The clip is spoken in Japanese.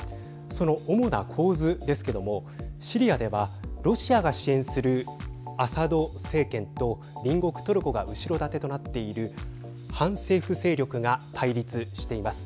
その主な構図ですけどもシリアではロシアが支援するアサド政権と隣国トルコが後ろ盾となっている反政府勢力が対立しています。